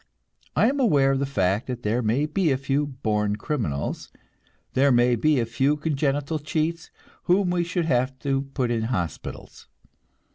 I am aware of the fact that there may be a few born criminals; there may be a few congenital cheats, whom we should have to put in hospitals.